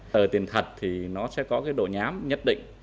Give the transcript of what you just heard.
tờ tiền thật thì nó sẽ có cái độ nhám nhất định